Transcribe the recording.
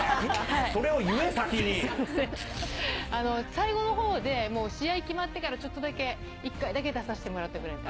それを言え、最後のほうで、もう試合決まってからちょっとだけ、一回だけ出させてもらったぐらいです。